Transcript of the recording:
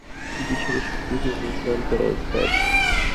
চুপিসাড়ে শত্রুকে অনুসরণ করার ওস্তাদ।